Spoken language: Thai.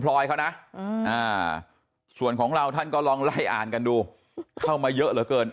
ลอยเขานะส่วนของเราท่านก็ลองไล่อ่านกันดูเข้ามาเยอะเหลือเกิน